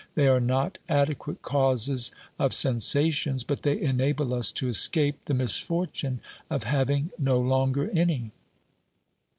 They are not adequate causes of sensations, but they enable us to escape the misfortune of having no longer any.